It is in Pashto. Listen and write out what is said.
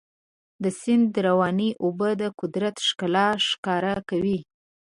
د سیند روانې اوبه د قدرت ښکلا ښکاره کوي.